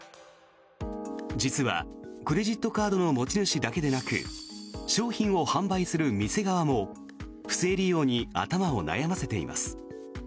実は、クレジットカードの持ち主だけでなく商品を販売する店側も不正利用に頭を悩ませています。